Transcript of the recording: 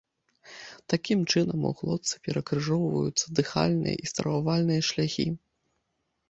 Такім чынам, у глотцы перакрыжоўваюцца дыхальныя і стрававальныя шляхі.